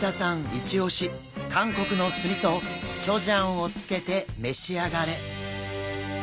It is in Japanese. イチオシ韓国の酢みそチョジャンをつけて召し上がれ。